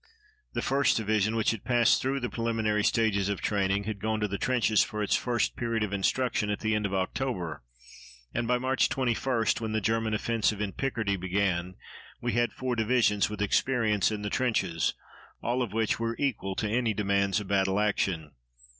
The 1st Division, which had passed through the preliminary stages of training, had gone to the trenches for its first period of instruction at the end of October, and by March 21, when the German offensive in Picardy began, we had four divisions with experience in the trenches, all of which were equal to any demands of battle action.